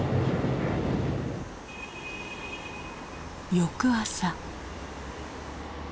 翌朝。